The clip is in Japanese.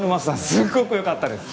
すごく良かったです。